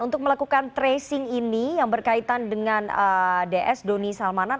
untuk melakukan tracing ini yang berkaitan dengan ds doni salmanan